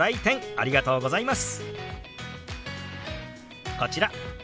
ありがとうございます。